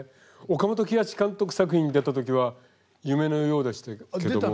岡本喜八監督作品に出た時は夢のようでしたけども。